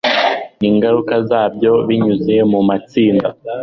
n ingaruka zabyo binyuze mu matsinda